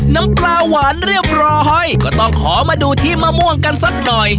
น้ำปลาหวานเรียบร้อยก็ต้องขอมาดูที่มะม่วงกันสักหน่อย